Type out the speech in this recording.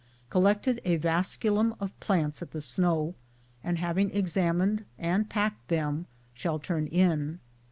Collected a vasculum of plants at the snow, and having examined and packed them shall turn in.